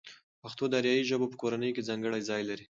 پښتو د آریایي ژبو په کورنۍ کې ځانګړی ځای لري.